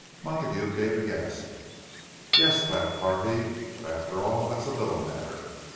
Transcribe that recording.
Montague gave a gasp. "Yes," laughed Harvey. "But after all, that's a little matter.